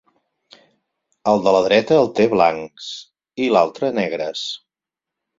El de la dreta els té blancs i l'altre negres.